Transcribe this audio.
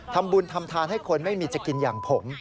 ทำบุญทำทานให้คนไม่มีจะกินอย่างผม